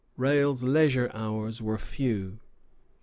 Rale's leisure hours were few.